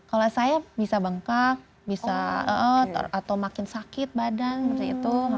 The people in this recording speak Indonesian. kalau saya bisa bengkak bisa atau makin sakit badan seperti itu